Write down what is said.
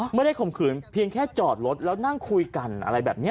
ข่มขืนเพียงแค่จอดรถแล้วนั่งคุยกันอะไรแบบนี้